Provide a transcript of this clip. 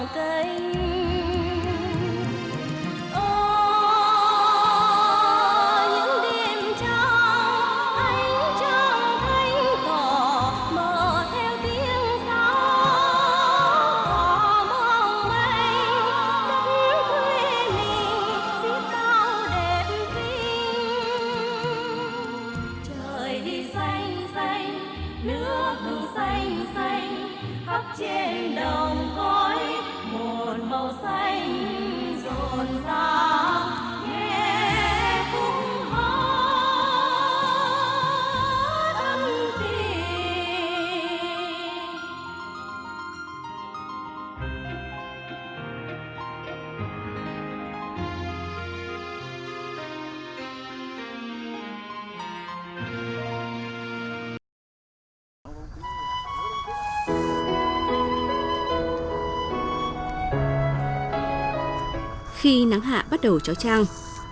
khi nắng hạ bắt đầu trói trang